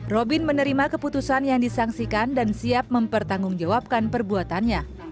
robin menerima keputusan yang disangsikan dan siap mempertanggungjawabkan perbuatannya